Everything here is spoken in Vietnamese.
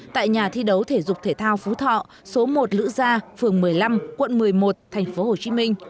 tại nhà thi đấu thể dục thể thao phú thọ số một lữ gia phường một mươi năm quận một mươi một tp hcm